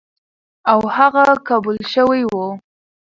او هغه قبول شوی و،